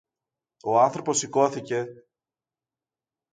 Ο άνθρωπος σηκώθηκε